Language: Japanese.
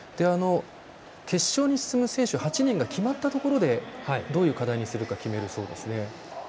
決勝に進む選手８人が決まったところでどういう課題にするか決めるそうですね。